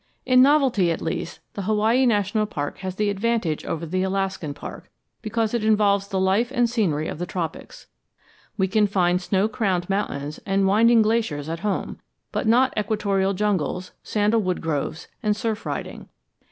In novelty at least the Hawaii National Park has the advantage over the Alaskan park because it involves the life and scenery of the tropics. We can find snow crowned mountains and winding glaciers at home, but not equatorial jungles, sandalwood groves, and surf riding.